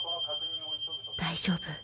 大丈夫